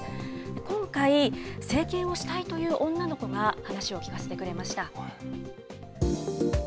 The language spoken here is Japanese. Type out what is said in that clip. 今回、整形をしたいという女の子が話を聞かせてくれました。